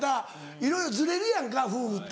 いろいろズレるやんか夫婦って。